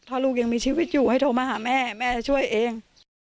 ถ้าลูกยังมีชีวิตอยู่ให้โทรมาหาแม่แม่จะช่วยเอง